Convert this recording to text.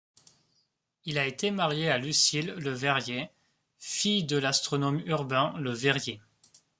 Il a été marié à Lucille Le Verrier, fille de l'astronome Urbain Le Verrier.